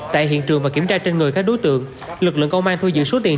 tại hiện trường và kiểm tra trên người các đối tượng lực lượng công an thu giữ số tiền